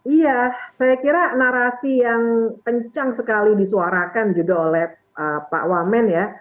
iya saya kira narasi yang kencang sekali disuarakan juga oleh pak wamen ya